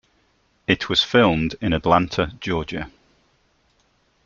It was filmed in Atlanta, Georgia.